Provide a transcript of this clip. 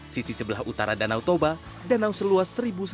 sisi sebelah utara danau toba danau seluas satu satu ratus tiga puluh empat